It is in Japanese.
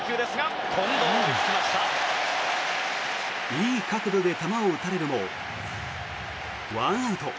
いい角度で球を打たれるも１アウト。